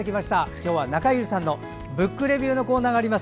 今日は中江さんの「ブックレビュー」のコーナーがあります。